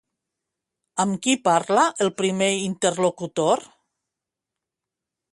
Amb qui parla el primer interlocutor?